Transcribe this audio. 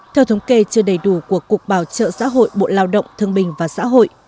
theo thống kê chưa đầy đủ của cục bảo trợ xã hội bộ lao động thương bình và xã hội